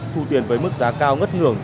thu tiền với mức giá cao ngất ngưỡng